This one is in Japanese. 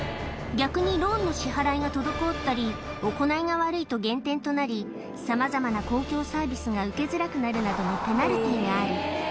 逆にローンの支払いが滞ったり、行いが悪いと原点となり、さまざまな公共サービスが受けづらくなるなどのペナルティーがある。